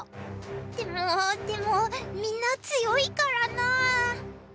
でもでもみんな強いからな。